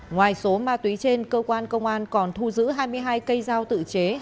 ngoài số ma túy trên cơ quan công an còn thu giữ hai mươi hai cây dao tự chế